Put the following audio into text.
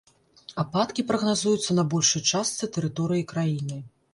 Ападкі прагназуюцца на большай частцы тэрыторыі краіны.